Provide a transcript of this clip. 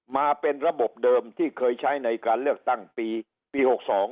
มาเป็นระบบเดิมที่เคยใช้ในการเลือกตั้งปี๖๒